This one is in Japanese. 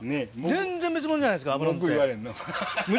全然別物じゃないですか脂のって。